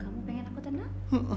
kamu pengen aku tenang